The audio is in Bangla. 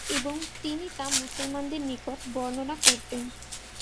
এবং তিনি তা মুসলমানদের নিকট বর্ণনা করতেন।